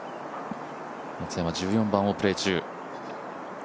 松山、１４番をプレー中。